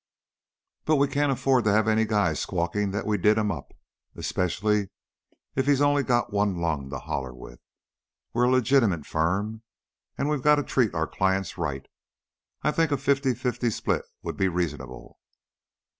"But we can't afford to have any guy squawking that we did him up especially if he's only got one lung to holler with. We're a legitimate firm, and we've got to treat our clients right. I think a fifty fifty split would be reasonable."